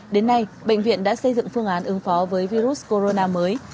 đến nay bệnh viện đã xây dựng phương án ứng phó với virus corona mới